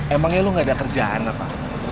emangnya lu gak ada kerjaan apa